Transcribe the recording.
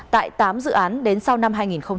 tại tám dự án đến sau năm hai nghìn hai mươi